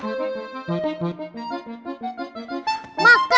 iya terima kasih sudah sampai